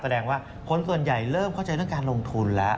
แสดงว่าคนส่วนใหญ่เริ่มเข้าใจเรื่องการลงทุนแล้ว